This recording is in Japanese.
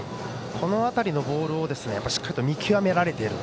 この辺りのボールをしっかり見極められている。